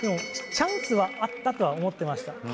チャンスはあったとは思ってました。